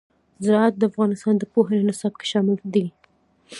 زراعت د افغانستان د پوهنې نصاب کې شامل دي.